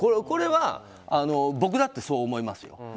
これは、僕だってそう思いますよ。